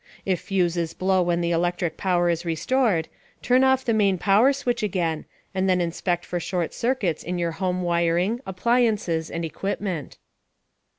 If fuses blow when the electric power is restored, turn off the main power switch again and then inspect for short circuits in your home wiring, appliances and equipment.